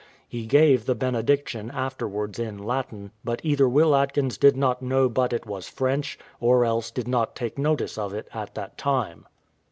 He gave the benediction afterwards in Latin, but either Will Atkins did not know but it was French, or else did not take notice of it at that time.